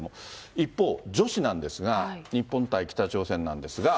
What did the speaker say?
一方、女子なんですが、日本対北朝鮮なんですが。